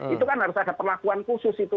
itu kan harus ada perlakuan khusus itu